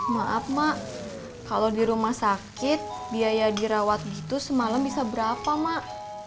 maaf mak kalau di rumah sakit biaya dirawat gitu semalam bisa berapa mak